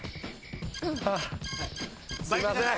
すいません。